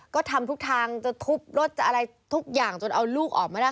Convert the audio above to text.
ก็ทำทุกทางจะทุบรถจะอะไรทุกอย่างจนเอาลูกออกมาได้